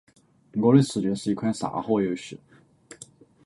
《我的世界》是一款沙盒游戏。